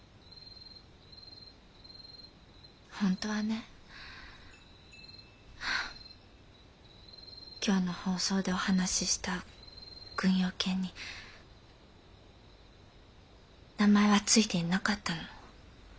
本当はね今日の放送でお話しした軍用犬に名前は付いていなかったの。